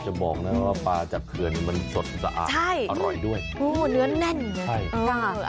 บอกนะว่าปลาจากเขื่อนมันสดสะอาดใช่อร่อยด้วยโอ้เนื้อแน่นใช่ค่ะ